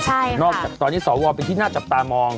ใช่ค่ะนอกจากตอนนี้สวเป็นที่น่าจับตามอง